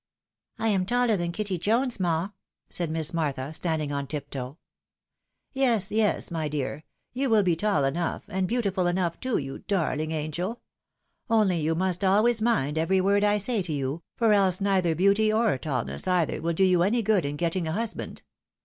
" I am taller than Kitty Jones, ma,'" said Miss Martha, standing on tiptoe. " Yes, yes, my dear ! you will be tall enough, and beautiful enough too, you darhng angel ! Only you must always mind every word I say to you, for else neither beauty or taUness either will do you any good in getting a husband.